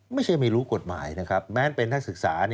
ไม่รู้กฎหมายนะครับแม้เป็นนักศึกษา